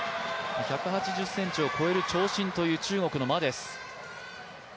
１８０ｃｍを超える長身という中国の馬です。